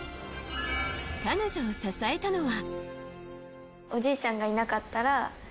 彼女を支えたのは。